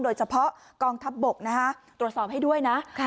โดยเฉพาะกองทัพบกตรวจสอบให้ด้วยนะ